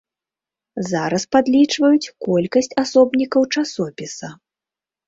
Зараз падлічваюць колькасць асобнікаў часопіса.